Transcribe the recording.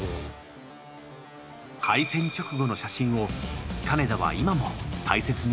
敗戦直後の写真を金田は今も大切にしている。